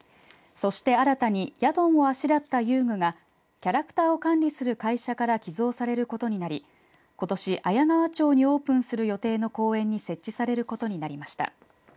そして、新たにヤドンをあしらった遊具がキャラクターを管理する会社から寄贈されることになりことし綾川町にオープンする予定の公園に設置されることになりました。